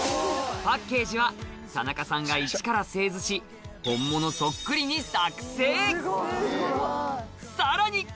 パッケージは田中さんがイチから製図し本物そっくりに作製さらに！